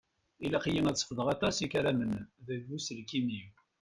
Ilaq-iyi ad sefḍeɣ aṭas ikaramen deg uselkim-iw.